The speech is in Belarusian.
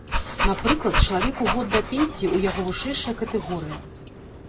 Напрыклад, чалавеку год да пенсіі, у яго вышэйшая катэгорыя.